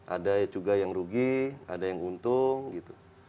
ada juga yang rugi ada yang untung gitu